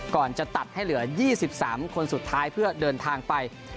ก่อนจะตัดให้เหลือ๒๓คนสุดท้ายเพื่อเดินทางไป